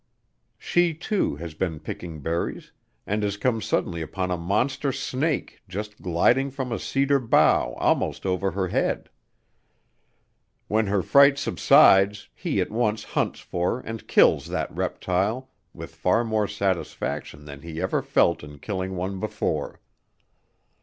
She, too, has been picking berries, and has come suddenly upon a monster snake just gliding from a cedar bough almost over her head. When her fright subsides he at once hunts for and kills that reptile with far more satisfaction than he ever felt in killing one before.